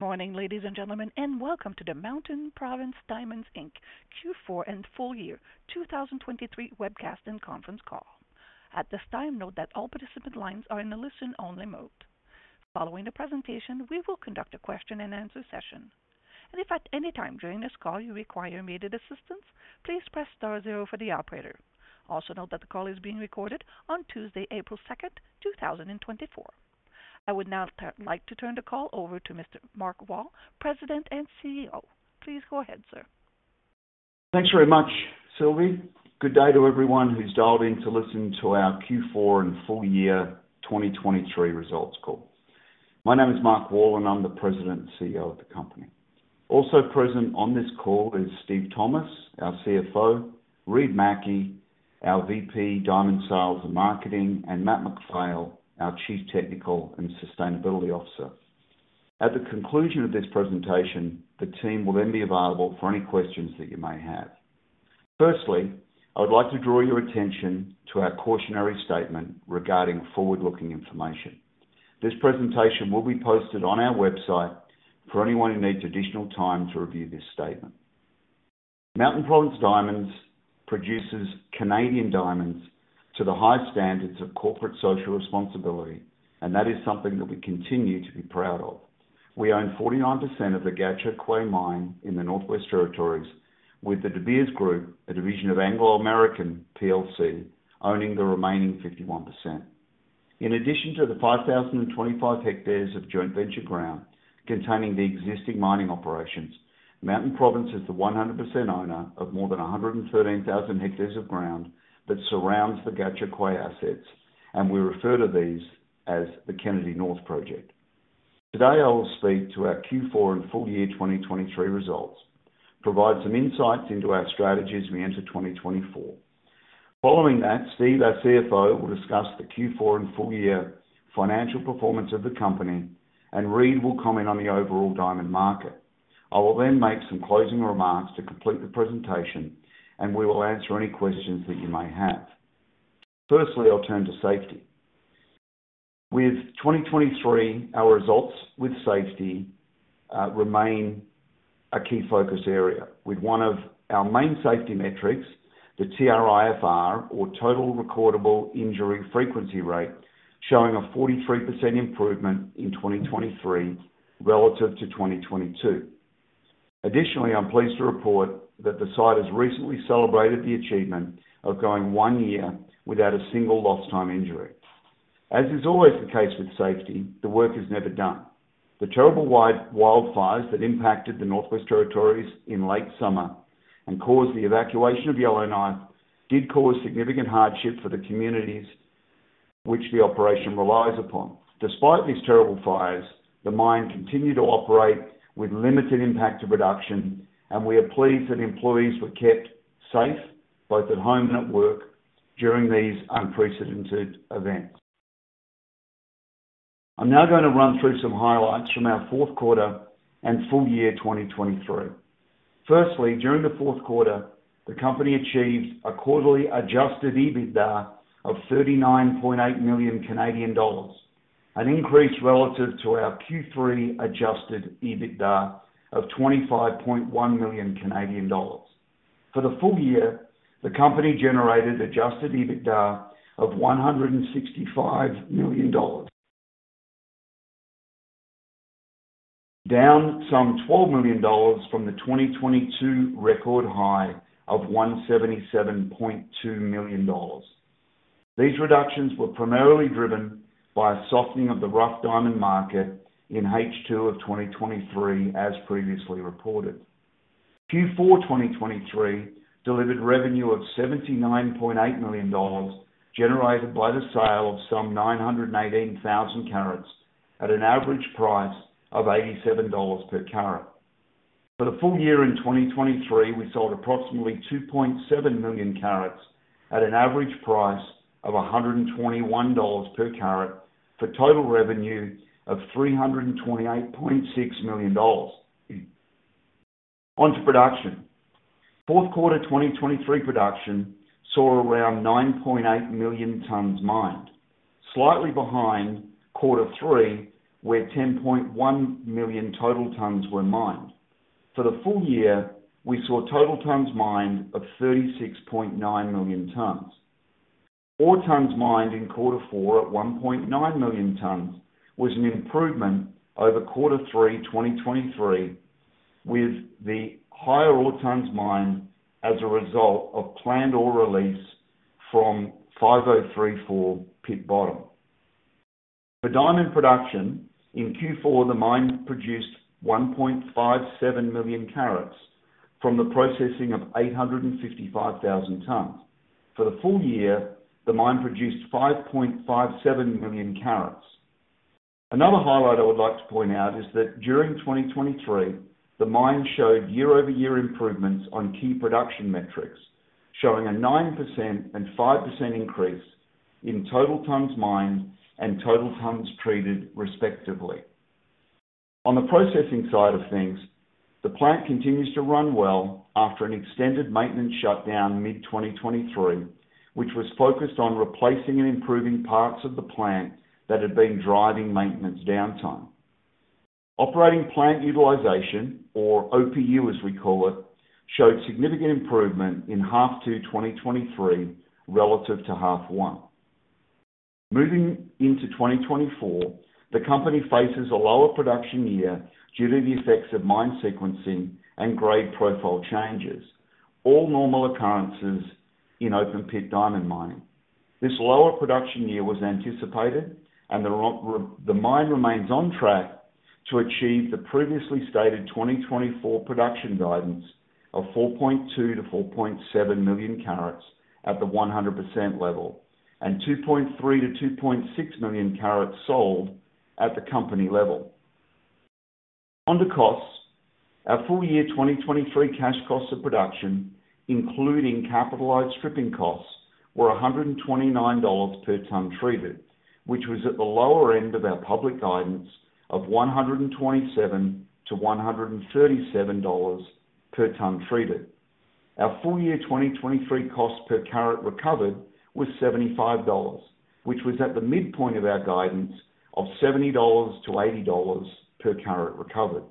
Morning, ladies and gentlemen, and welcome to the Mountain Province Diamonds Inc. Q4 and full year 2023 webcast and conference call. At this time, note that all participant lines are in a listen-only mode. Following the presentation, we will conduct a question-and-answer session. And if at any time during this call you require immediate assistance, please press star zero for the operator. Also note that the call is being recorded on Tuesday, April 2, 2024. I would now like to turn the call over to Mr. Mark Wall, President and CEO. Please go ahead, sir. Thanks very much, Sylvie. Good day to everyone who's dialed in to listen to our Q4 and full year 2023 results call. My name is Mark Wall, and I'm the President and CEO of the company. Also present on this call is Steve Thomas, our CFO; Reid Mackie, our VP Diamonds, Sales and Marketing; and Matthew MacPhail, our Chief Technical and Sustainability Officer. At the conclusion of this presentation, the team will then be available for any questions that you may have. Firstly, I would like to draw your attention to our cautionary statement regarding forward-looking information. This presentation will be posted on our website for anyone who needs additional time to review this statement. Mountain Province Diamonds produces Canadian diamonds to the highest standards of corporate social responsibility, and that is something that we continue to be proud of. We own 49% of the Gahcho Kué mine in the Northwest Territories, with the De Beers Group, a division of Anglo American plc, owning the remaining 51%. In addition to the 5,025 hectares of joint venture ground containing the existing mining operations, Mountain Province is the 100% owner of more than 113,000 hectares of ground that surrounds the Gahcho Kué assets, and we refer to these as the Kennady North Project. Today, I will speak to our Q4 and full year 2023 results, provide some insights into our strategies we enter 2024. Following that, Steve, our CFO, will discuss the Q4 and full year financial performance of the company, and Reid will comment on the overall diamond market. I will then make some closing remarks to complete the presentation, and we will answer any questions that you may have. Firstly, I'll turn to safety. With 2023, our results with safety remain a key focus area, with one of our main safety metrics, the TRIFR, or Total Recordable Injury Frequency Rate, showing a 43% improvement in 2023 relative to 2022. Additionally, I'm pleased to report that the site has recently celebrated the achievement of going one year without a single lost-time injury. As is always the case with safety, the work is never done. The terrible wildfires that impacted the Northwest Territories in late summer and caused the evacuation of Yellowknife did cause significant hardship for the communities which the operation relies upon. Despite these terrible fires, the mine continued to operate with limited impact to production, and we are pleased that employees were kept safe both at home and at work during these unprecedented events. I'm now going to run through some highlights from our fourth quarter and full year 2023. Firstly, during the fourth quarter, the company achieved a quarterly adjusted EBITDA of 39.8 million Canadian dollars, an increase relative to our Q3 adjusted EBITDA of 25.1 million Canadian dollars. For the full year, the company generated adjusted EBITDA of 165 million dollars, down some 12 million dollars from the 2022 record high of 177.2 million dollars. These reductions were primarily driven by a softening of the rough diamond market in H2 of 2023, as previously reported. Q4 2023 delivered revenue of 79.8 million dollars generated by the sale of some 918,000 carats at an average price of 87 dollars per carat. For the full year in 2023, we sold approximately 2.7 million carats at an average price of 121 dollars per carat for total revenue of 328.6 million dollars. Onto production. Fourth quarter 2023 production saw around 9.8 million tonnes mined, slightly behind quarter three, where 10.1 million total tonnes were mined. For the full year, we saw total tonnes mined of 36.9 million tonnes. Ore tonnes mined in quarter four at 1.9 million tonnes was an improvement over quarter three 2023, with the higher ore tonnes mined as a result of planned ore release from 5034 pit bottom. For diamond production in Q4, the mine produced 1.57 million carats from the processing of 855,000 tonnes. For the full year, the mine produced 5.57 million carats. Another highlight I would like to point out is that during 2023, the mine showed year-over-year improvements on key production metrics, showing a 9% and 5% increase in total tonnes mined and total tonnes treated, respectively. On the processing side of things, the plant continues to run well after an extended maintenance shutdown mid-2023, which was focused on replacing and improving parts of the plant that had been driving maintenance downtime. Operating plant utilization, or OPU as we call it, showed significant improvement in H2 2023 relative to H1. Moving into 2024, the company faces a lower production year due to the effects of mine sequencing and grade profile changes, all normal occurrences in open pit diamond mining. This lower production year was anticipated, and the mine remains on track to achieve the previously stated 2024 production guidance of 4.2-4.7 million carats at the 100% level and 2.3-2.6 million carats sold at the company level. On to costs. Our full year 2023 cash costs of production, including capitalized shipping costs, were $129 per tonne treated, which was at the lower end of our public guidance of $127-$137 per tonne treated. Our full year 2023 cost per carat recovered was $75, which was at the midpoint of our guidance of $70-$80 per carat recovered.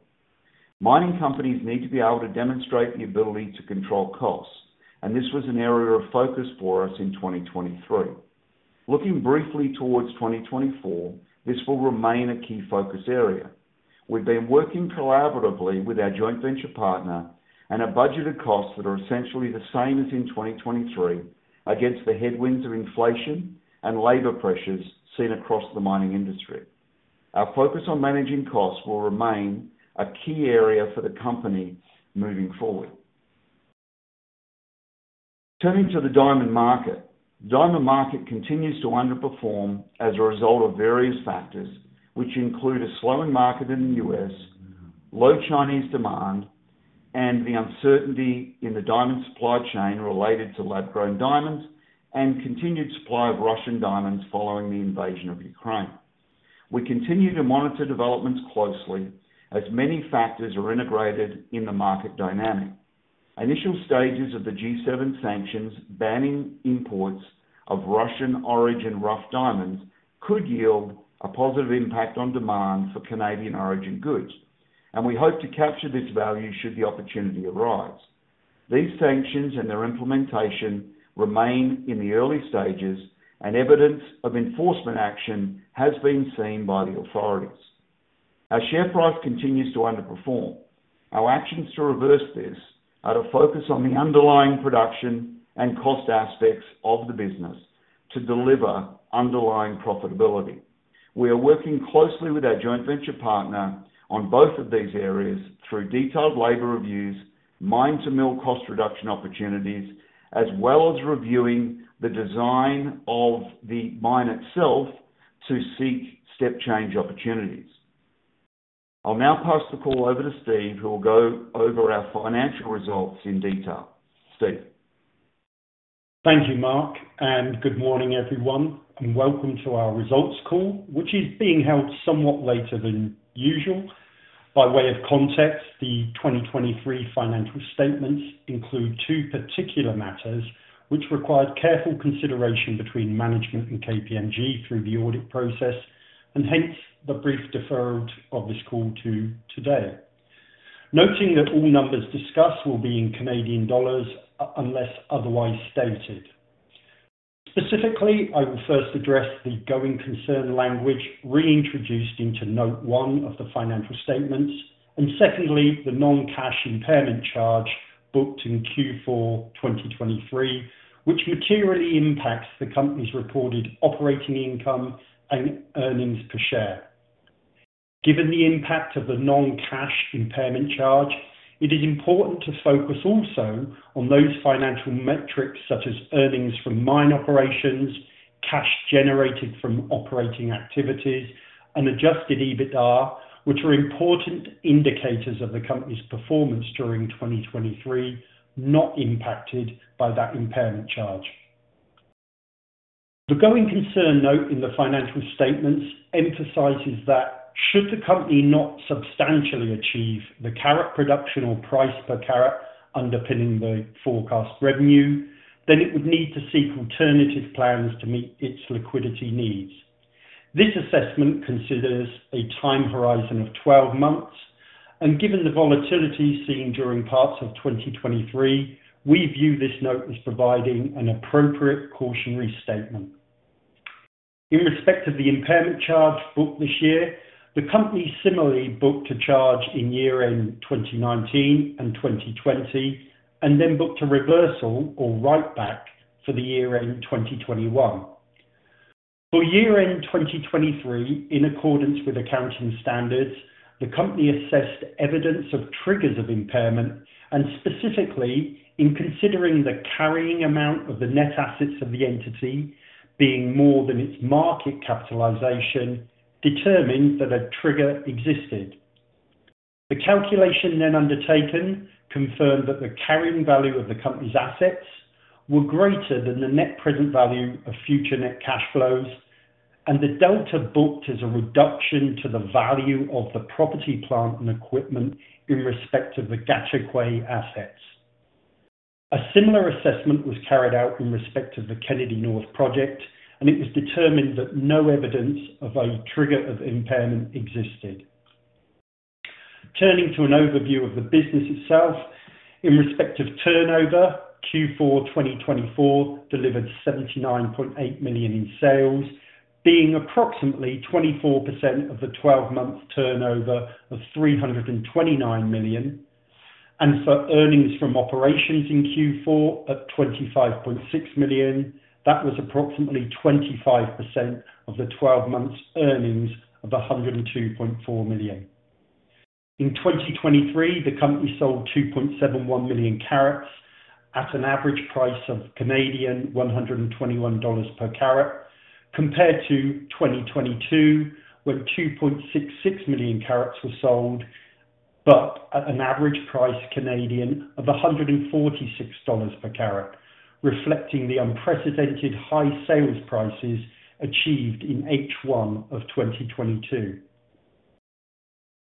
Mining companies need to be able to demonstrate the ability to control costs, and this was an area of focus for us in 2023. Looking briefly towards 2024, this will remain a key focus area. We've been working collaboratively with our joint venture partner and have budgeted costs that are essentially the same as in 2023 against the headwinds of inflation and labor pressures seen across the mining industry. Our focus on managing costs will remain a key area for the company moving forward. Turning to the diamond market, the diamond market continues to underperform as a result of various factors, which include a slowing market in the U.S., low Chinese demand, and the uncertainty in the diamond supply chain related to lab-grown diamonds and continued supply of Russian diamonds following the invasion of Ukraine. We continue to monitor developments closely as many factors are integrated in the market dynamic. Initial stages of the G7 sanctions banning imports of Russian-origin rough diamonds could yield a positive impact on demand for Canadian-origin goods, and we hope to capture this value should the opportunity arise. These sanctions and their implementation remain in the early stages, and evidence of enforcement action has been seen by the authorities. Our share price continues to underperform. Our actions to reverse this are to focus on the underlying production and cost aspects of the business to deliver underlying profitability. We are working closely with our joint venture partner on both of these areas through detailed labor reviews, mine-to-mill cost reduction opportunities, as well as reviewing the design of the mine itself to seek step change opportunities. I'll now pass the call over to Steve, who will go over our financial results in detail. Steve. Thank you, Mark, and good morning, everyone, and welcome to our results call, which is being held somewhat later than usual. By way of context, the 2023 financial statements include two particular matters which required careful consideration between management and KPMG through the audit process, and hence the brief deferral of this call to today. Noting that all numbers discussed will be in Canadian dollars unless otherwise stated. Specifically, I will first address the going concern language reintroduced into note one of the financial statements, and secondly, the non-cash impairment charge booked in Q4 2023, which materially impacts the company's reported operating income and earnings per share. Given the impact of the non-cash impairment charge, it is important to focus also on those financial metrics such as earnings from mine operations, cash generated from operating activities, and adjusted EBITDA, which are important indicators of the company's performance during 2023 not impacted by that impairment charge. The going concern note in the financial statements emphasizes that should the company not substantially achieve the carat production or price per carat underpinning the forecast revenue, then it would need to seek alternative plans to meet its liquidity needs. This assessment considers a time horizon of 12 months, and given the volatility seen during parts of 2023, we view this note as providing an appropriate cautionary statement. In respect of the impairment charge booked this year, the company similarly booked a charge in year-end 2019 and 2020, and then booked a reversal or write-back for the year-end 2021. For year-end 2023, in accordance with accounting standards, the company assessed evidence of triggers of impairment, and specifically in considering the carrying amount of the net assets of the entity being more than its market capitalization, determined that a trigger existed. The calculation then undertaken confirmed that the carrying value of the company's assets were greater than the net present value of future net cash flows, and the delta booked as a reduction to the value of the property, plant and equipment in respect of the Gahcho Kué assets. A similar assessment was carried out in respect of the Kennady North Project, and it was determined that no evidence of a trigger of impairment existed. Turning to an overview of the business itself, in respect of turnover, Q4 2024 delivered $79.8 million in sales, being approximately 24% of the 12-month turnover of $329 million. For earnings from operations in Q4 at 25.6 million, that was approximately 25% of the 12-month earnings of 102.4 million. In 2023, the company sold 2.71 million carats at an average price of 121 Canadian dollars per carat, compared to 2022 when 2.66 million carats were sold, but at an average price of 146 dollars per carat, reflecting the unprecedented high sales prices achieved in H1 of 2022.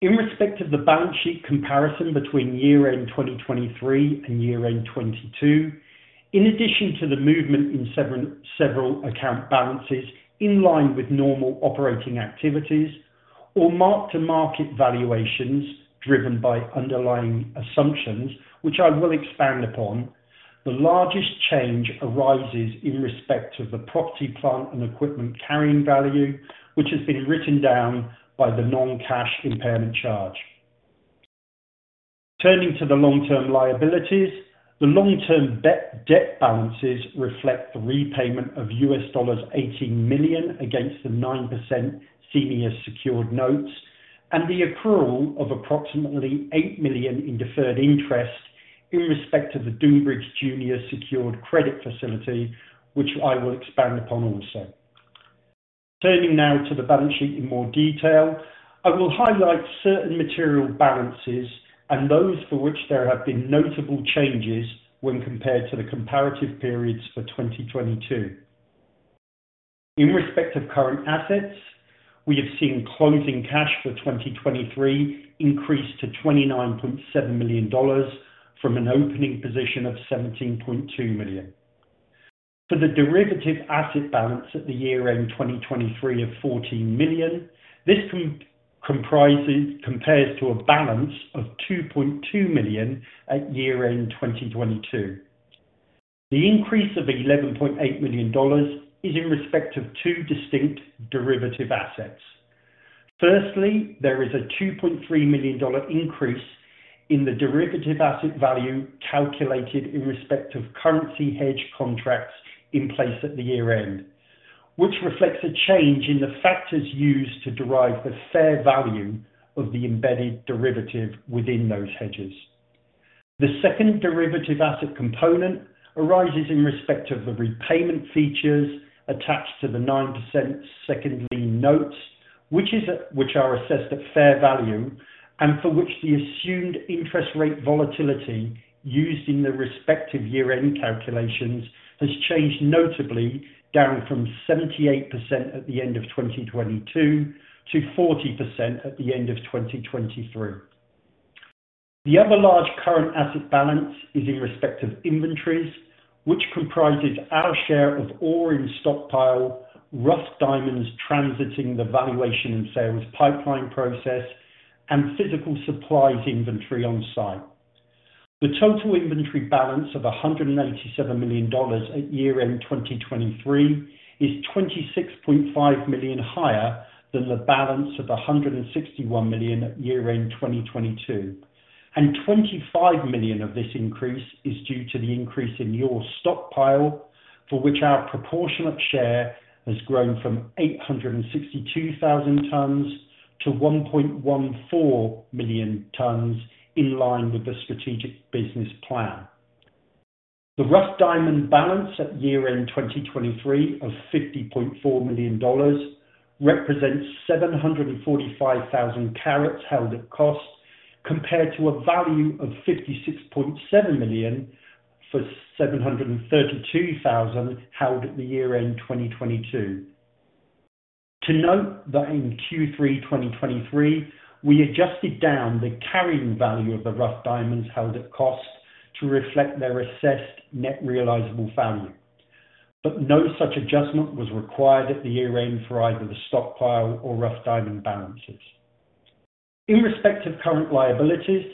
In respect of the balance sheet comparison between year-end 2023 and year-end 2022, in addition to the movement in several account balances in line with normal operating activities or mark-to-market valuations driven by underlying assumptions, which I will expand upon, the largest change arises in respect of the property plant and equipment carrying value, which has been written down by the non-cash impairment charge. Turning to the long-term liabilities, the long-term debt balances reflect the repayment of $18 million against the 9% senior secured notes and the accrual of approximately $8 million in deferred interest in respect of the Dunebridge Junior Secured Credit Facility, which I will expand upon also. Turning now to the balance sheet in more detail, I will highlight certain material balances and those for which there have been notable changes when compared to the comparative periods for 2022. In respect of current assets, we have seen closing cash for 2023 increase to 29.7 million dollars from an opening position of 17.2 million. For the derivative asset balance at the year-end 2023 of 14 million, this compares to a balance of 2.2 million at year-end 2022. The increase of 11.8 million dollars is in respect of two distinct derivative assets. Firstly, there is a $2.3 million increase in the derivative asset value calculated in respect of currency hedge contracts in place at the year-end, which reflects a change in the factors used to derive the fair value of the embedded derivative within those hedges. The second derivative asset component arises in respect of the repayment features attached to the 9% second lien notes, which are assessed at fair value and for which the assumed interest rate volatility used in the respective year-end calculations has changed notably down from 78% at the end of 2022 to 40% at the end of 2023. The other large current asset balance is in respect of inventories, which comprises our share of ore in stockpile, rough diamonds transiting the valuation and sales pipeline process, and physical supplies inventory on site. The total inventory balance of 187 million dollars at year-end 2023 is 26.5 million higher than the balance of 161 million at year-end 2022, and 25 million of this increase is due to the increase in your stockpile, for which our proportionate share has grown from 862,000 tonnes to 1.14 million tonnes in line with the strategic business plan. The rough diamond balance at year-end 2023 of 50.4 million dollars represents 745,000 carats held at cost, compared to a value of 56.7 million for 732,000 held at the year-end 2022. To note that in Q3 2023, we adjusted down the carrying value of the rough diamonds held at cost to reflect their assessed net realizable value, but no such adjustment was required at the year-end for either the stockpile or rough diamond balances. In respect of current liabilities,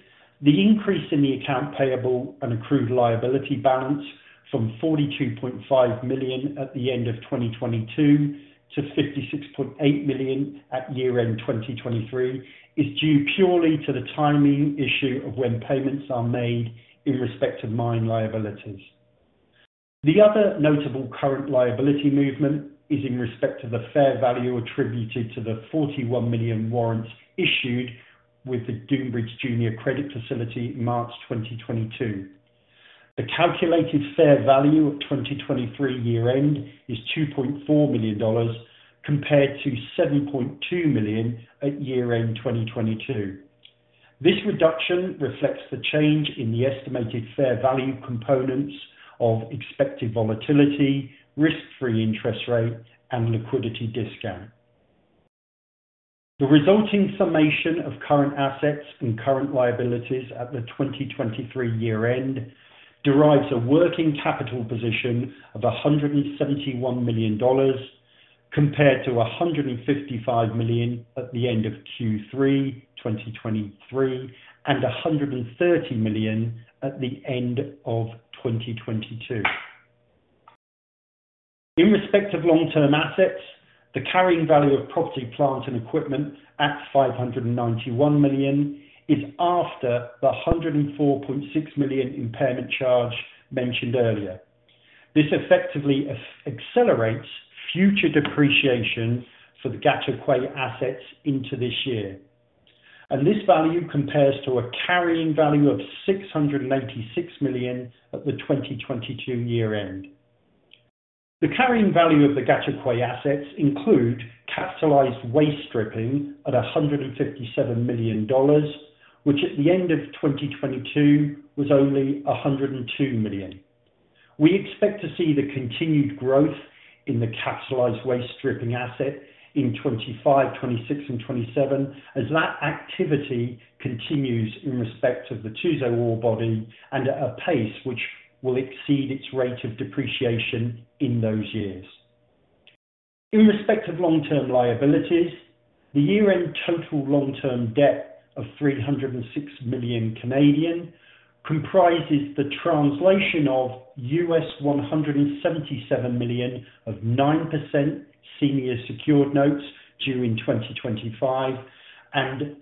the increase in the accounts payable and accrued liability balance from 42.5 million at the end of 2022 to 56.8 million at year-end 2023 is due purely to the timing issue of when payments are made in respect of mine liabilities. The other notable current liability movement is in respect of the fair value attributed to the 41 million warrants issued with the Dunebridge Junior Credit Facility in March 2022. The calculated fair value at 2023 year-end is $2.4 million, compared to 7.2 million at year-end 2022. This reduction reflects the change in the estimated fair value components of expected volatility, risk-free interest rate, and liquidity discount. The resulting summation of current assets and current liabilities at the 2023 year-end derives a working capital position of 171 million dollars, compared to 155 million at the end of Q3 2023 and 130 million at the end of 2022. In respect of long-term assets, the carrying value of property, plant and equipment at 591 million is after the 104.6 million impairment charge mentioned earlier. This effectively accelerates future depreciation for the Gahcho Kué assets into this year, and this value compares to a carrying value of 686 million at the 2022 year-end. The carrying value of the Gahcho Kué assets includes capitalized stripping at 157 million dollars, which at the end of 2022 was only 102 million. We expect to see the continued growth in the capitalized waste stripping asset in 2025, 2026, and 2027 as that activity continues in respect of the Tuzo ore body and at a pace which will exceed its rate of depreciation in those years. In respect of long-term liabilities, the year-end total long-term debt of 306 million comprises the translation of $177 million of 9% senior secured notes due in 2025 and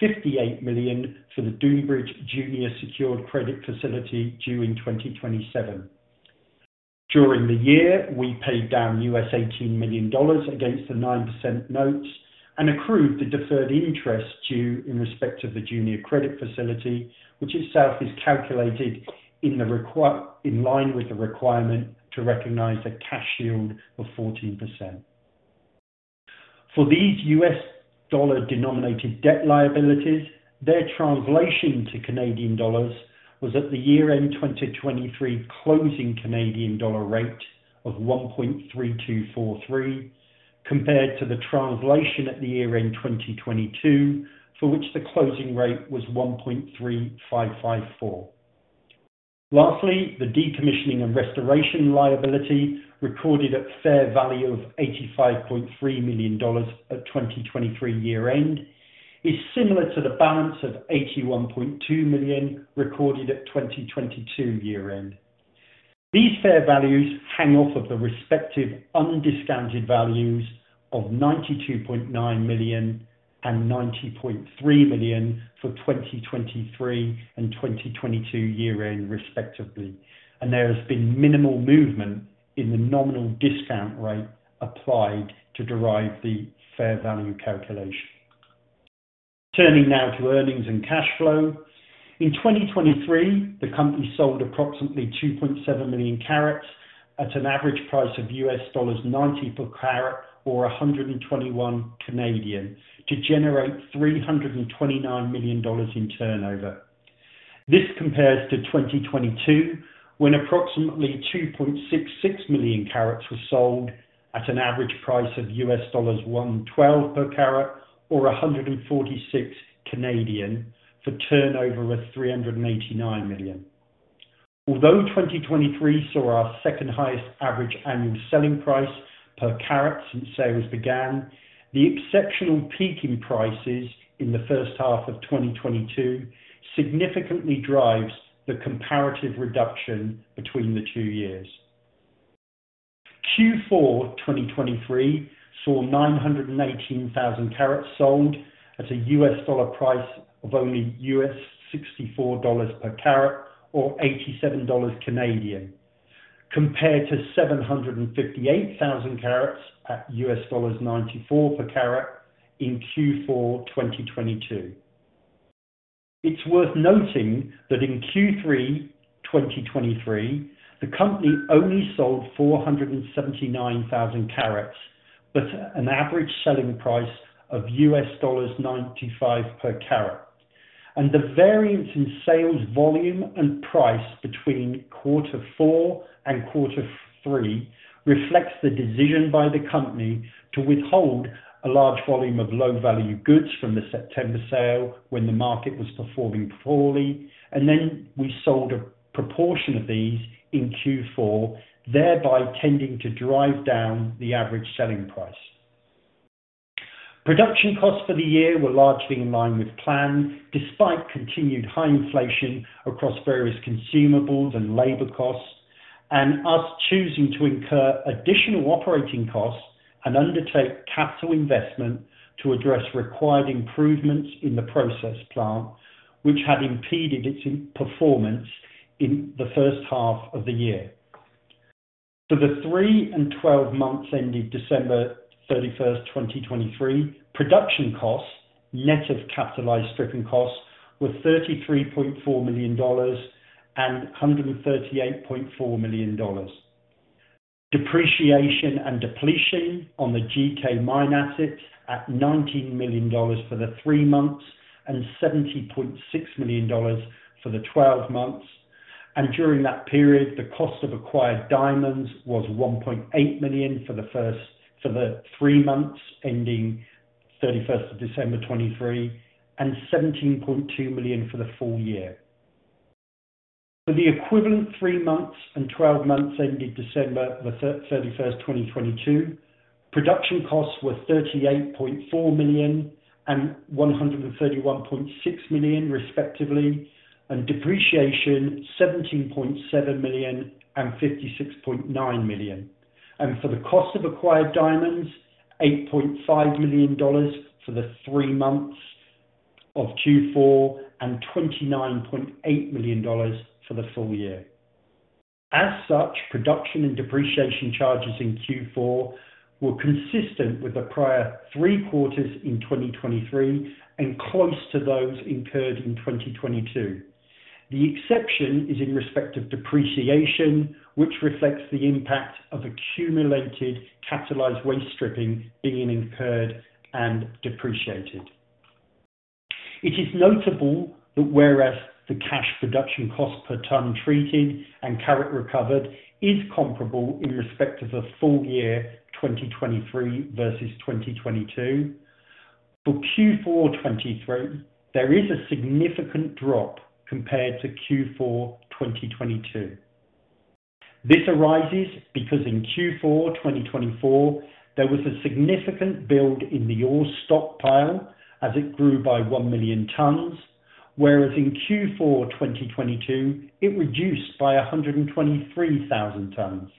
$58 million for the Dunebridge Junior Secured Credit Facility due in 2027. During the year, we paid down $18 million against the 9% notes and accrued the deferred interest due in respect of the Junior Credit Facility, which itself is calculated in line with the requirement to recognize a cash yield of 14%. For these US dollar denominated debt liabilities, their translation to Canadian dollars was at the year-end 2023 closing Canadian dollar rate of 1.3243, compared to the translation at the year-end 2022 for which the closing rate was 1.3554. Lastly, the decommissioning and restoration liability recorded at fair value of 85.3 million dollars at 2023 year-end is similar to the balance of 81.2 million recorded at 2022 year-end. These fair values hang off of the respective undiscounted values of 92.9 million and 90.3 million for 2023 and 2022 year-end respectively, and there has been minimal movement in the nominal discount rate applied to derive the fair value calculation. Turning now to earnings and cash flow. In 2023, the company sold approximately 2.7 million carats at an average price of $90 per carat or 121 to generate 329 million dollars in turnover. This compares to 2022 when approximately 2.66 million carats were sold at an average price of $112 per carat or 146 for turnover of 389 million. Although 2023 saw our second highest average annual selling price per carat since sales began, the exceptional peak in prices in the first half of 2022 significantly drives the comparative reduction between the two years. Q4 2023 saw 918,000 carats sold at a US dollar price of only $64 per carat or 87 Canadian dollars, compared to 758,000 carats at $94 per carat in Q4 2022. It's worth noting that in Q3 2023, the company only sold 479,000 carats but an average selling price of $95 per carat, and the variance in sales volume and price between quarter four and quarter three reflects the decision by the company to withhold a large volume of low-value goods from the September sale when the market was performing poorly, and then we sold a proportion of these in Q4, thereby tending to drive down the average selling price. Production costs for the year were largely in line with plan despite continued high inflation across various consumables and labor costs, and us choosing to incur additional operating costs and undertake capital investment to address required improvements in the process plant, which had impeded its performance in the first half of the year. For the three and twelve months ended December 31st, 2023, production costs, net of capitalized stripping costs, were $33.4 million and $138.4 million. Depreciation and depletion on the GK mine assets at $19 million for the three months and $70.6 million for the twelve months, and during that period, the cost of acquired diamonds was $1.8 million for the three months ending 31st of December 2023 and $17.2 million for the full year. For the equivalent three months and twelve months ended December 31st, 2022, production costs were $38.4 million and $131.6 million respectively, and depreciation $17.7 million and $56.9 million, and for the cost of acquired diamonds, $8.5 million for the three months of Q4 and $29.8 million for the full year. As such, production and depreciation charges in Q4 were consistent with the prior three quarters in 2023 and close to those incurred in 2022. The exception is in respect of depreciation, which reflects the impact of accumulated capitalized waste stripping being incurred and depreciated. It is notable that whereas the cash production cost per tonne treated and carat recovered is comparable in respect of the full year 2023 versus 2022, for Q4 2023, there is a significant drop compared to Q4 2022. This arises because in Q4 2023, there was a significant build in the ore stockpile as it grew by 1 million tonnes, whereas in Q4 2022, it reduced by 123,000 tonnes.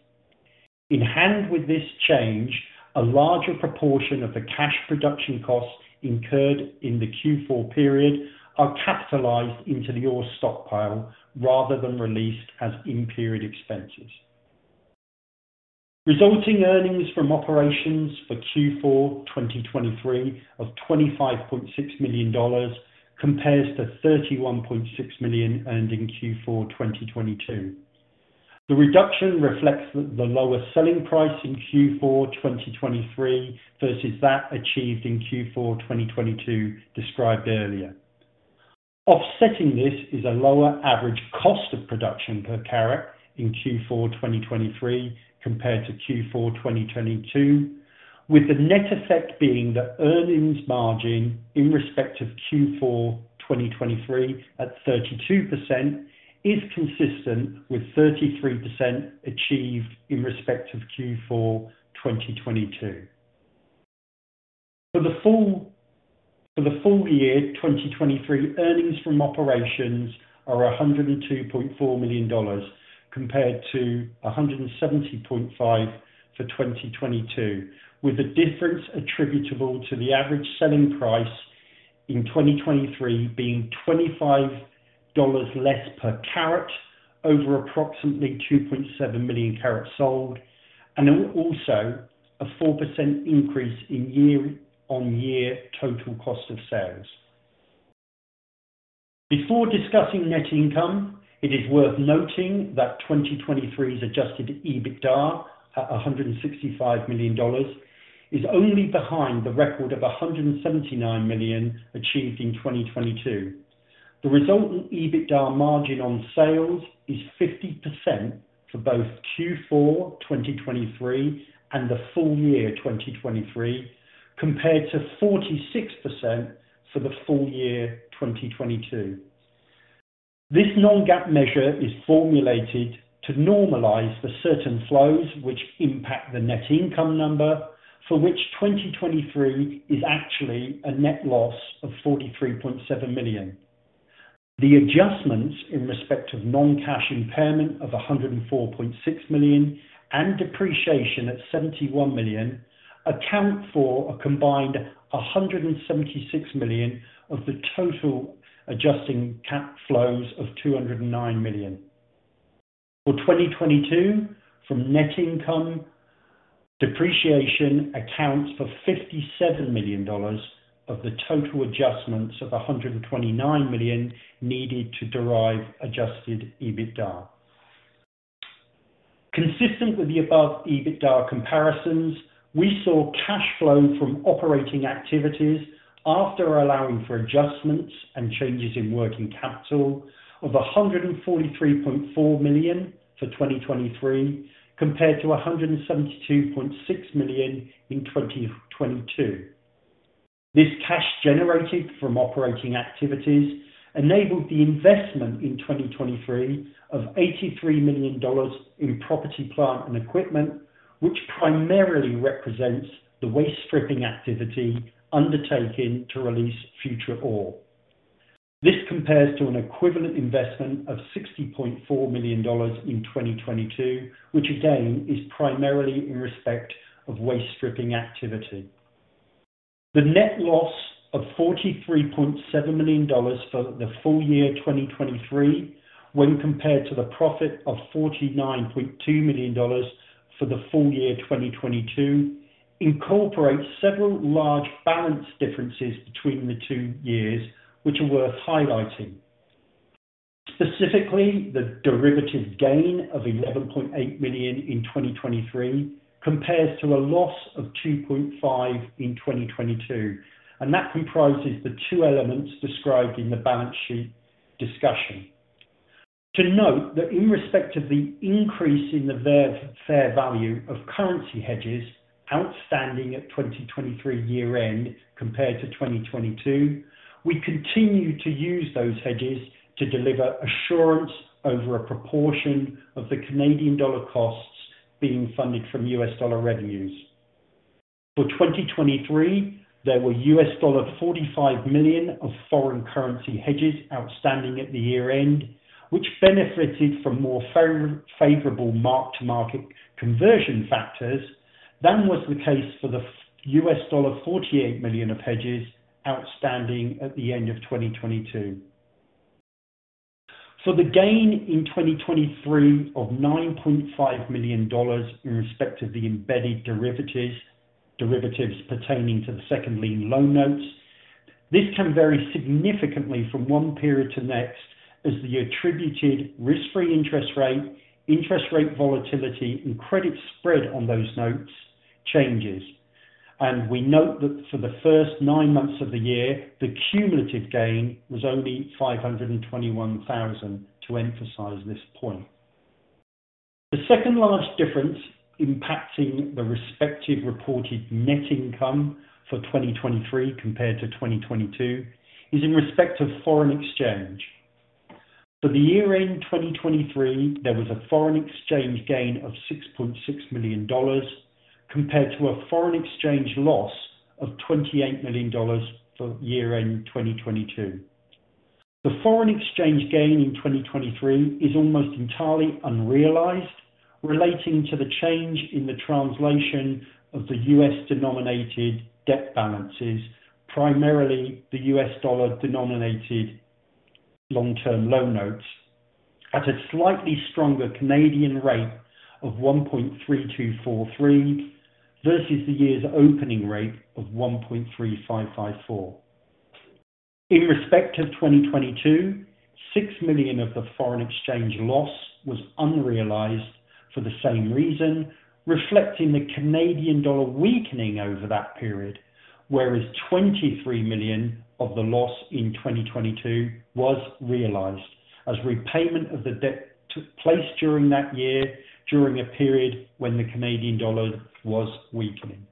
In tandem with this change, a larger proportion of the cash production costs incurred in the Q4 period are capitalized into the ore stockpile rather than released as in-period expenses. Resulting earnings from operations for Q4 2023 of $25.6 million compares to $31.6 million earned in Q4 2022. The reduction reflects the lower selling price in Q4 2023 versus that achieved in Q4 2022 described earlier. Offsetting this is a lower average cost of production per carat in Q4 2023 compared to Q4 2022, with the net effect being that earnings margin in respect of Q4 2023 at 32% is consistent with 33% achieved in respect of Q4 2022. For the full year 2023, earnings from operations are $102.4 million compared to $170.5 million for 2022, with a difference attributable to the average selling price in 2023 being $25 less per carat over approximately 2.7 million carats sold and also a 4% increase in year-on-year total cost of sales. Before discussing net income, it is worth noting that 2023's Adjusted EBITDA at $165 million is only behind the record of $179 million achieved in 2022. The resulting EBITDA margin on sales is 50% for both Q4 2023 and the full year 2023 compared to 46% for the full year 2022. This non-GAAP measure is formulated to normalize for certain flows which impact the net income number for which 2023 is actually a net loss of $43.7 million. The adjustments in respect of non-cash impairment of $104.6 million and depreciation at $71 million account for a combined $176 million of the total adjusting cash flows of $209 million. For 2022, from net income, depreciation accounts for $57 million of the total adjustments of $129 million needed to derive Adjusted EBITDA. Consistent with the above EBITDA comparisons, we saw cash flow from operating activities after allowing for adjustments and changes in working capital of 143.4 million for 2023 compared to 172.6 million in 2022. This cash generated from operating activities enabled the investment in 2023 of 83 million dollars in property, plant and equipment, which primarily represents the waste stripping activity undertaken to release future ore. This compares to an equivalent investment of 60.4 million dollars in 2022, which again is primarily in respect of waste stripping activity. The net loss of 43.7 million dollars for the full year 2023 when compared to the profit of 49.2 million dollars for the full year 2022 incorporates several large balance differences between the two years, which are worth highlighting. Specifically, the derivative gain of 11.8 million in 2023 compares to a loss of 2.5 million in 2022, and that comprises the two elements described in the balance sheet discussion. To note that in respect of the increase in the fair value of currency hedges outstanding at 2023 year-end compared to 2022, we continue to use those hedges to deliver assurance over a proportion of the Canadian dollar costs being funded from US dollar revenues. For 2023, there were $45 million of foreign currency hedges outstanding at the year-end, which benefited from more favorable mark-to-market conversion factors than was the case for the $48 million of hedges outstanding at the end of 2022. For the gain in 2023 of 9.5 million dollars in respect of the embedded derivatives pertaining to the second lien loan notes, this can vary significantly from one period to next as the attributed risk-free interest rate, interest rate volatility, and credit spread on those notes changes, and we note that for the first nine months of the year, the cumulative gain was only 521,000 to emphasize this point. The second large difference impacting the respective reported net income for 2023 compared to 2022 is in respect of foreign exchange. For the year-end 2023, there was a foreign exchange gain of 6.6 million dollars compared to a foreign exchange loss of 28 million dollars for year-end 2022. The foreign exchange gain in 2023 is almost entirely unrealized relating to the change in the translation of the U.S. denominated debt balances, primarily the U.S. dollar denominated long-term loan notes, at a slightly stronger Canadian rate of 1.3243 versus the year's opening rate of 1.3554. In respect of 2022, 6 million of the foreign exchange loss was unrealized for the same reason, reflecting the Canadian dollar weakening over that period, whereas 23 million of the loss in 2022 was realized as repayment of the debt took place during that year during a period when the Canadian dollar was weakening.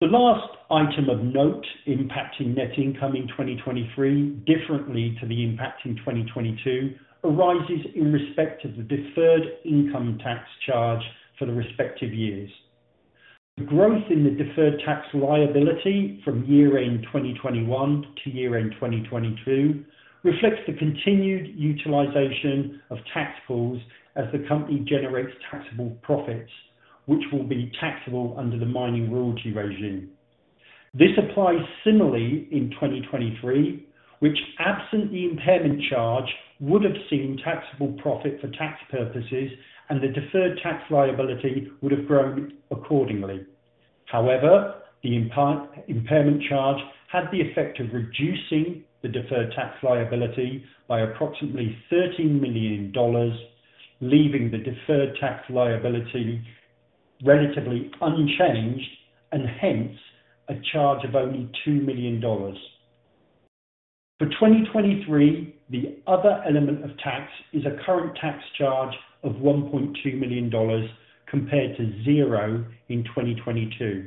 The last item of note impacting net income in 2023, differently to the impacting 2022, arises in respect of the deferred income tax charge for the respective years. The growth in the deferred tax liability from year-end 2021 to year-end 2022 reflects the continued utilization of tax pools as the company generates taxable profits, which will be taxable under the mining royalty regime. This applies similarly in 2023, which absent the impairment charge would have seen taxable profit for tax purposes, and the deferred tax liability would have grown accordingly. However, the impairment charge had the effect of reducing the deferred tax liability by approximately 13 million dollars, leaving the deferred tax liability relatively unchanged and hence a charge of only 2 million dollars. For 2023, the other element of tax is a current tax charge of 1.2 million dollars compared to 0 in 2022.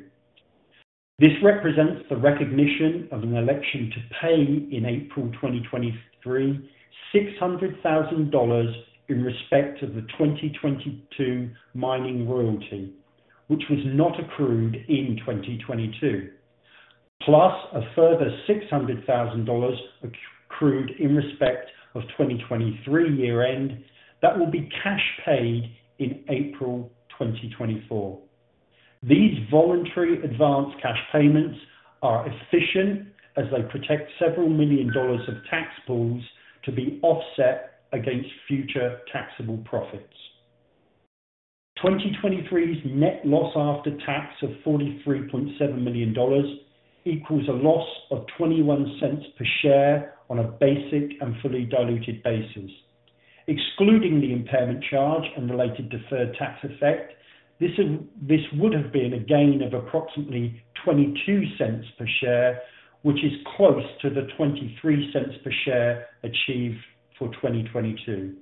This represents the recognition of an election to pay in April 2023 CAD 600,000 in respect of the 2022 mining royalty, which was not accrued in 2022, plus a further 600,000 dollars accrued in respect of 2023 year-end that will be cash paid in April 2024. These voluntary advance cash payments are efficient as they protect several million CAD of tax pools to be offset against future taxable profits. 2023's net loss after tax of 43.7 million dollars equals a loss of 0.21 per share on a basic and fully diluted basis. Excluding the impairment charge and related deferred tax effect, this would have been a gain of approximately 0.22 per share, which is close to the 0.23 per share achieved for 2022.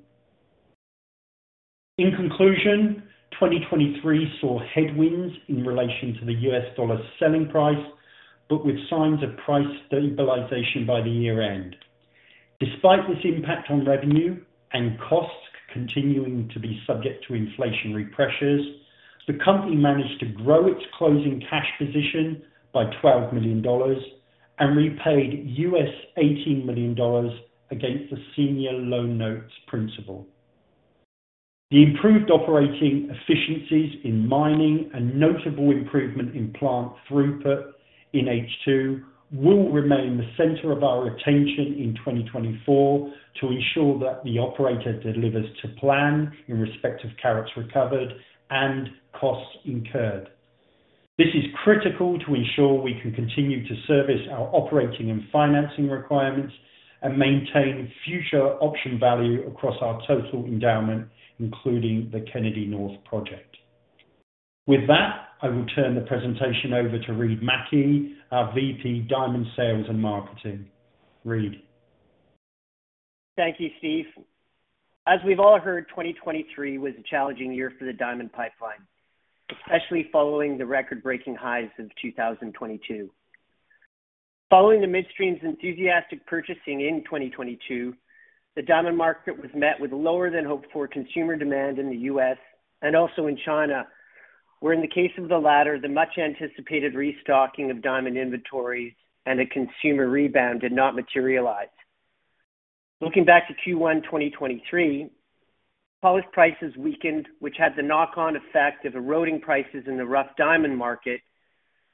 In conclusion, 2023 saw headwinds in relation to the US dollar selling price but with signs of price stabilization by the year-end. Despite this impact on revenue and costs continuing to be subject to inflationary pressures, the company managed to grow its closing cash position by 12 million dollars and repaid $18 million against the senior loan notes principal. The improved operating efficiencies in mining and notable improvement in plant throughput in H2 will remain the center of our attention in 2024 to ensure that the operator delivers to plan in respect of carats recovered and costs incurred. This is critical to ensure we can continue to service our operating and financing requirements and maintain future option value across our total endowment, including the Kennady North project. With that, I will turn the presentation over to Reid Mackie, our VP Diamond Sales and Marketing. Reid. Thank you, Steve. As we've all heard, 2023 was a challenging year for the diamond pipeline, especially following the record-breaking highs of 2022. Following the midstream's enthusiastic purchasing in 2022, the diamond market was met with lower than hoped-for consumer demand in the US and also in China, where in the case of the latter, the much-anticipated restocking of diamond inventories and a consumer rebound did not materialize. Looking back to Q1 2023, polished prices weakened, which had the knock-on effect of eroding prices in the rough diamond market,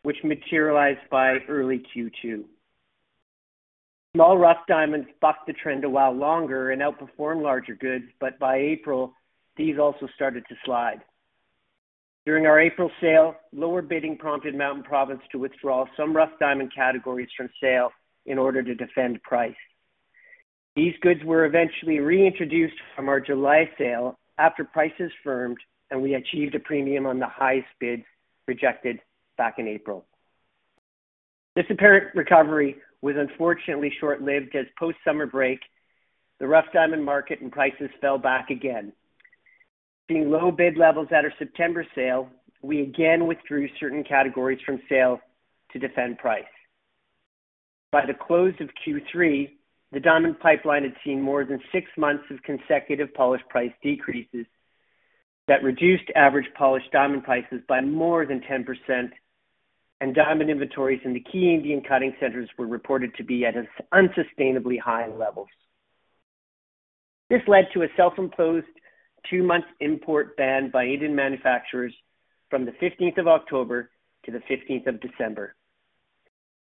which materialized by early Q2. Small rough diamonds bucked the trend a while longer and outperformed larger goods, but by April, these also started to slide. During our April sale, lower bidding prompted Mountain Province to withdraw some rough diamond categories from sale in order to defend price. These goods were eventually reintroduced from our July sale after prices firmed and we achieved a premium on the highest bids rejected back in April. This apparent recovery was unfortunately short-lived as post-summer break, the rough diamond market and prices fell back again. Seeing low bid levels at our September sale, we again withdrew certain categories from sale to defend price. By the close of Q3, the diamond pipeline had seen more than six months of consecutive polished price decreases that reduced average polished diamond prices by more than 10%, and diamond inventories in the key Indian cutting centres were reported to be at unsustainably high levels. This led to a self-imposed two-month import ban by Indian manufacturers from the 15th of October to the 15th of December,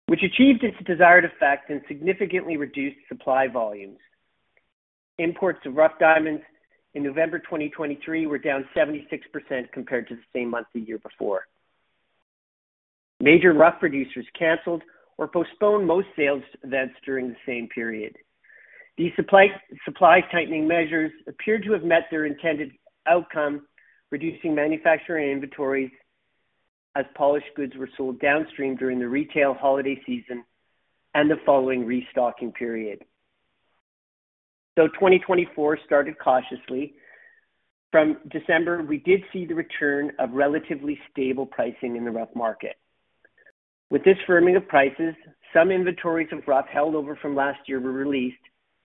which achieved its desired effect and significantly reduced supply volumes. Imports of rough diamonds in November 2023 were down 76% compared to the same month the year before. Major rough producers cancelled or postponed most sales events during the same period. These supply tightening measures appeared to have met their intended outcome, reducing manufacturing inventories as polished goods were sold downstream during the retail holiday season and the following restocking period. Though 2024 started cautiously, from December, we did see the return of relatively stable pricing in the rough market. With this firming of prices, some inventories of rough held over from last year were released,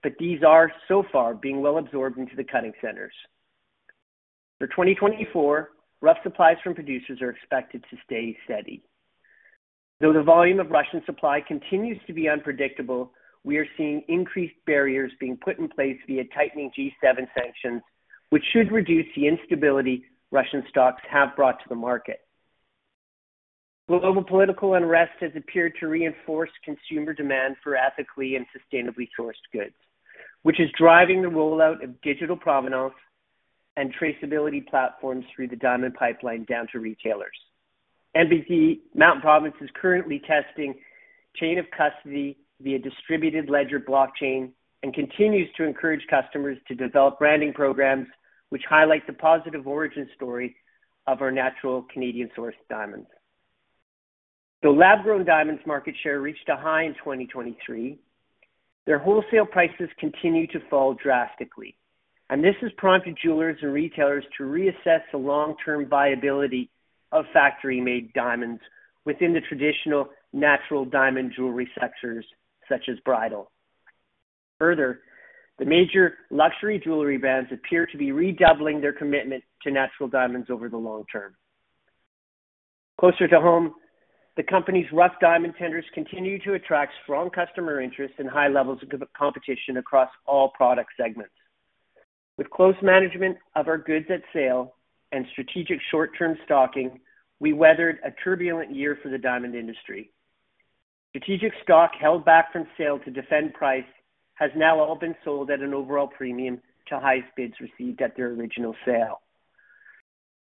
but these are so far being well absorbed into the cutting centres. For 2024, rough supplies from producers are expected to stay steady. Though the volume of Russian supply continues to be unpredictable, we are seeing increased barriers being put in place via tightening G7 sanctions, which should reduce the instability Russian stocks have brought to the market. Global political unrest has appeared to reinforce consumer demand for ethically and sustainably sourced goods, which is driving the rollout of digital provenance and traceability platforms through the diamond pipeline down to retailers. Mountain Province is currently testing chain of custody via distributed ledger blockchain and continues to encourage customers to develop branding programs which highlight the positive origin story of our natural Canadian source diamonds. Though lab-grown diamonds market share reached a high in 2023, their wholesale prices continue to fall drastically, and this has prompted jewelers and retailers to reassess the long-term viability of factory-made diamonds within the traditional natural diamond jewelry sectors such as bridal. Further, the major luxury jewelry brands appear to be redoubling their commitment to natural diamonds over the long term. Closer to home, the company's rough diamond tenders continue to attract strong customer interest and high levels of competition across all product segments. With close management of our goods at sale and strategic short-term stocking, we weathered a turbulent year for the diamond industry. Strategic stock held back from sale to defend price has now all been sold at an overall premium to highest bids received at their original sale.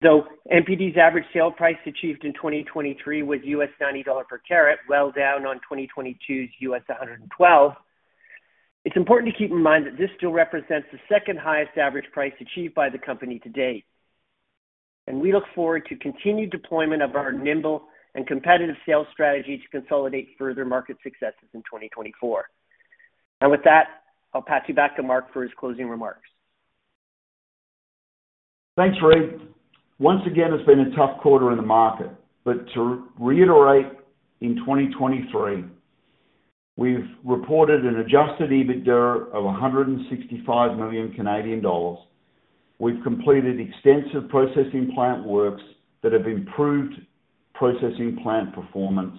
Though MPD's average sale price achieved in 2023 was $90 per carat, well down on 2022's $112, it's important to keep in mind that this still represents the second highest average price achieved by the company to date, and we look forward to continued deployment of our nimble and competitive sales strategy to consolidate further market successes in 2024. And with that, I'll pass you back to Mark for his closing remarks. Thanks, Reid. Once again, it's been a tough quarter in the market, but to reiterate, in 2023, we've reported an Adjusted EBITDA of 165 million Canadian dollars. We've completed extensive processing plant works that have improved processing plant performance.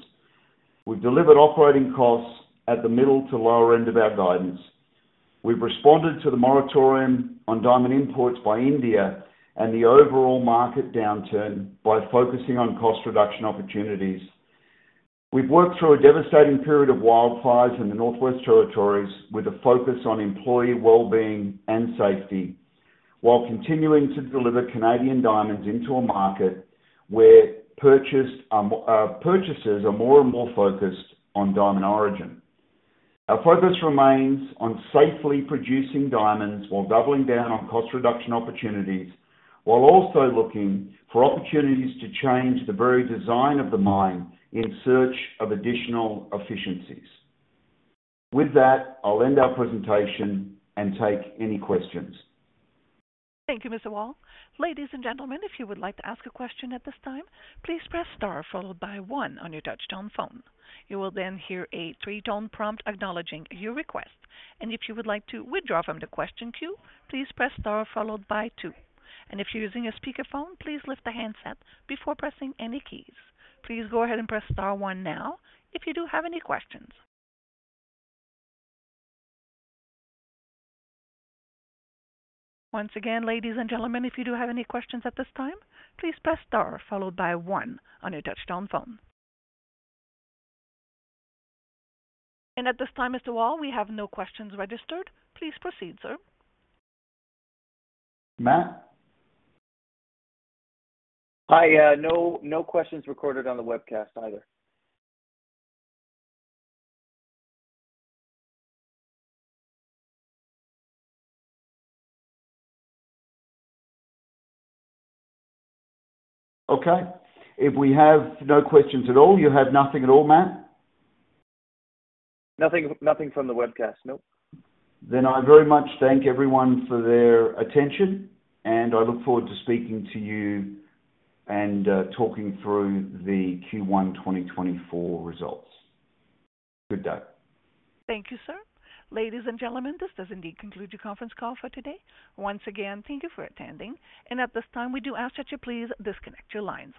We've delivered operating costs at the middle to lower end of our guidance. We've responded to the moratorium on diamond imports by India and the overall market downturn by focusing on cost reduction opportunities. We've worked through a devastating period of wildfires in the Northwest Territories with a focus on employee well-being and safety while continuing to deliver Canadian diamonds into a market where purchases are more and more focused on diamond origin. Our focus remains on safely producing diamonds while doubling down on cost reduction opportunities while also looking for opportunities to change the very design of the mine in search of additional efficiencies. With that, I'll end our presentation and take any questions. Thank you, Mr. Wall. Ladies and gentlemen, if you would like to ask a question at this time, please press star followed by one on your touch-tone phone. You will then hear a three-tone prompt acknowledging your request, and if you would like to withdraw from the question queue, please press star followed by two. If you're using a speakerphone, please lift the handset before pressing any keys. Please go ahead and press star one now if you do have any questions. Once again, ladies and gentlemen, if you do have any questions at this time, please press star followed by one on your touch-tone phone. At this time, Mr. Wall, we have no questions registered. Please proceed, sir. Mack? Hi, no questions recorded on the webcast either. Okay. If we have no questions at all, you have nothing at all, Matt? Nothing from the webcast, nope. Then I very much thank everyone for their attention, and I look forward to speaking to you and talking through the Q1 2024 results. Good day. Thank you, sir. Ladies and gentlemen, this does indeed conclude your conference call for today. Once again, thank you for attending, and at this time, we do ask that you please disconnect your lines.